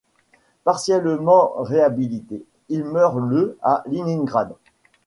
Partiellement réhabilité, il meurt le à Léningrad.